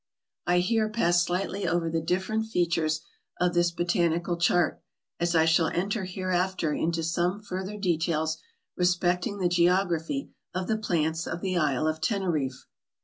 I here pass slightly over the different features of this botanical chart, as I shall enter hereafter into some further details respecting the geography of the plants of the Isle of Teneriffe.